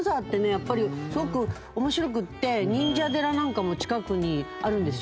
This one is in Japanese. やっぱりすごく面白くって忍者寺なんかも近くにあるんですよ。